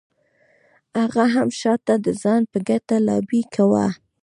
هغې هم شاته د ځان په ګټه لابي کاوه.